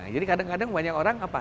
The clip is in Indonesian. jadi kadang kadang banyak orang apa